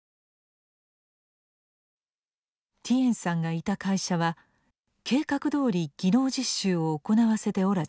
ティエンさんがいた会社は計画どおり「技能実習を行わせておらず」